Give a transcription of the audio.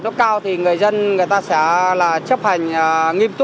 nhưng không quá hai mươi bốn giờ